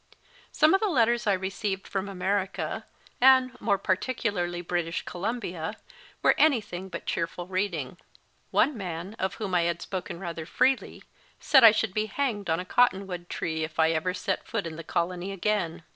Some of the letters I received from America, and, more particularly, British Columbia, were anything but cheerful reading. One man, of whom I had spoken rather freely, said I should be hanged on a cottonwood tree if I ever set foot in the Colony again.